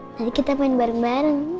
mari kita main bareng bareng